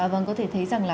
vâng có thể thấy rằng là